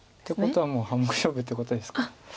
ということはもう半目勝負ってことですか。